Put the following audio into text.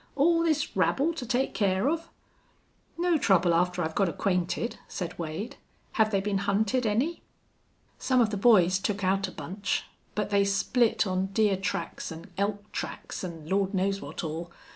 All this rabble to take care of!" "No trouble after I've got acquainted," said Wade. "Have they been hunted any?" "Some of the boys took out a bunch. But they split on deer tracks an' elk tracks an' Lord knows what all.